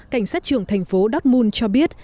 cảnh sát trường thành phố dortmund cho biết